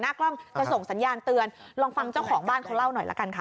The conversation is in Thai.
กล้องจะส่งสัญญาณเตือนลองฟังเจ้าของบ้านเขาเล่าหน่อยละกันค่ะ